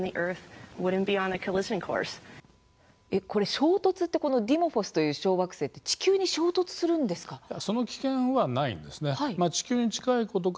衝突ってこのディモフォスという小惑星は地球に衝突するんですか。